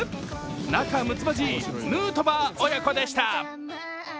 仲むつまじいヌートバー親子でした。